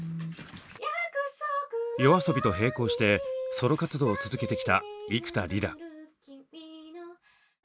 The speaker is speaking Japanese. ＹＯＡＳＯＢＩと並行してソロ活動を続けてきた幾田りら。